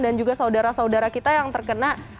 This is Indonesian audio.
dan juga saudara saudara kita yang terkena